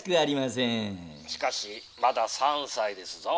「しかしまだ３歳ですぞ」。